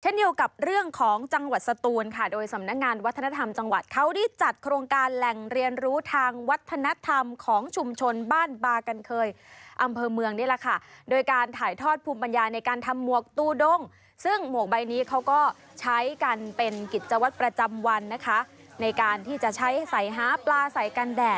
เกี่ยวกับเรื่องของจังหวัดสตูนค่ะโดยสำนักงานวัฒนธรรมจังหวัดเขาได้จัดโครงการแหล่งเรียนรู้ทางวัฒนธรรมของชุมชนบ้านบากันเคยอำเภอเมืองนี่แหละค่ะโดยการถ่ายทอดภูมิปัญญาในการทำหมวกตู้ด้งซึ่งหมวกใบนี้เขาก็ใช้กันเป็นกิจวัตรประจำวันนะคะในการที่จะใช้ใส่หาปลาใส่กันแดด